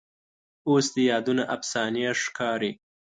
اوس دې یادونه افسانې ښکاري